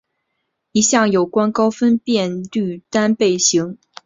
一项有关高分辨率单倍型。